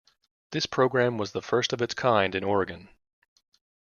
This program was the first of its kind in Oregon.